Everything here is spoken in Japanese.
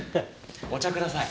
お茶ください。